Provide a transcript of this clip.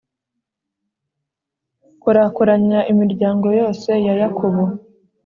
Korakoranya imiryango yose ya Yakobo,